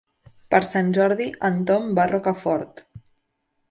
Per Sant Jordi en Tom va a Rocafort.